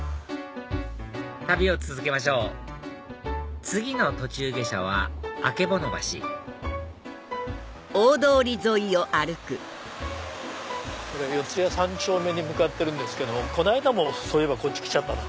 旅を続けましょう次の途中下車は曙橋四谷三丁目に向かってるんですけどこの間もこっち来ちゃったな。